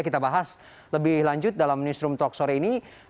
kita bahas lebih lanjut dalam newsroom talk sore ini